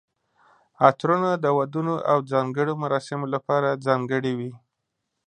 عطرونه د ودونو او ځانګړو مراسمو لپاره ځانګړي وي.